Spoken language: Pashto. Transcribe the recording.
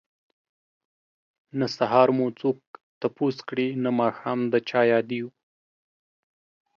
نه سهار مو څوک تپوس کړي نه ماښام د چا ياديږو